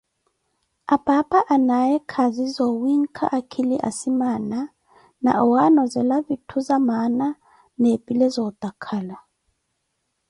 Apaapa anaaye khaazi zoowinkha akhili asimaana na owanozela vitthu za maana na epile zootakhala.